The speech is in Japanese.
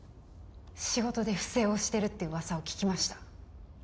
仕事で不正をしてるって噂を聞きました